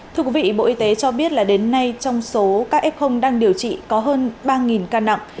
thưa quý vị bộ y tế cho biết là đến nay trong số các f đang điều trị có hơn ba ca nặng